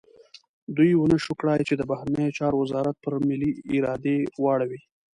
دوی ونه شو کړای چې د بهرنیو چارو وزارت پر ملي ارادې واړوي.